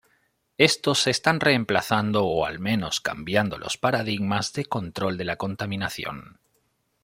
Estos están reemplazando o al menos cambiando los paradigmas de control de la contaminación.